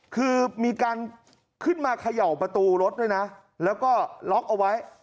คือมีการขึ้นมาเขย่าประตูรถด้วยนะแล้วก็ล็อกเอาไว้